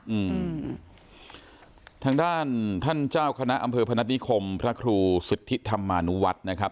อืมทางด้านท่านเจ้าคณะอำเภอพนัฐนิคมพระครูสิทธิธรรมานุวัฒน์นะครับ